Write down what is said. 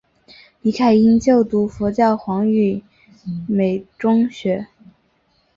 李凯茵就读佛教黄允畋中学。